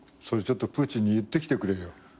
それちょっとプーチンに言ってきてくれよ。